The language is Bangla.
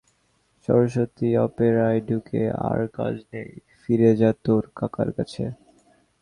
সরস্বতী অপেরায় ঢুকে আর কাজ নেই, ফিরে যা তোর কাকার কাছে।